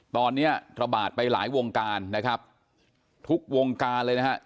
ตอนนี้ระบาดไปหลายวงการนะครับทุกวงการเลยนะครับ